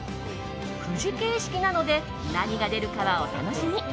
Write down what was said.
くじ形式なので何が出るかはお楽しみ。